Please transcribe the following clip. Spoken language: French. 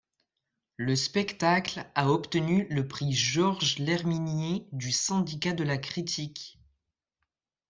Le spectacle a obtenu le prix Georges-Lerminier du Syndicat de la critique.